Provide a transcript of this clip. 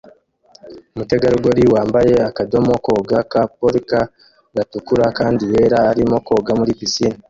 Umutegarugori wambaye akadomo koga ka polka gatukura kandi yera arimo koga muri pisine